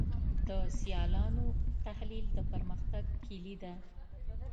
د سیالانو تحلیل د پرمختګ کلي ده.